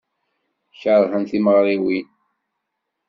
Keṛhen timeɣriwin.